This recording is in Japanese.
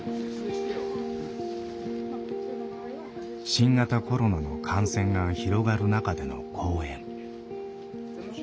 新型コロナの感染が広がる中での公演。